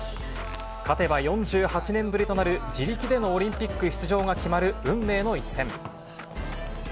勝てば４８年ぶりとなる自力でのオリンピック出場が決まる運命の一戦。